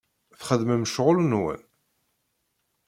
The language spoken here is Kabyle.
Txedmem ccɣel-nwen?